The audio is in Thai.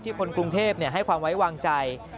คนกรุงเทพให้ความไว้วางใจ